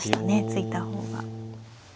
突いた方が。